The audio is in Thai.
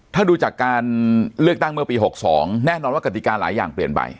ถ้าดูจากการเลือกตั้งเมื่อปี๖๒แน่นอนว่ากติกาหลายอย่างเปลี่ยนไป